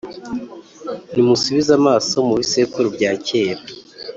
Nimusubize amaso mu bisekuru bya kera